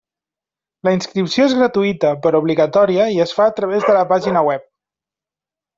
La inscripció és gratuïta però obligatòria i es fa a través de la pàgina web.